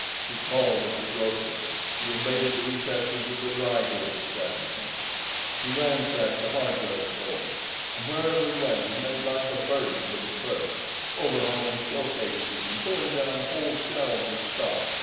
He called at the grocery; he invaded the recesses of the dry goods establishments; he ransacked the hardware stores; and wherever he went he made life a burden for the clerks, overhauling show cases and pulling down whole shelves of stock.